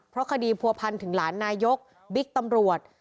เพราะคดีผัวพันถึงหลานนายกบิ๊กตำรวจ